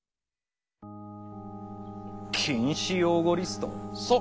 「禁止用語リスト」ォ？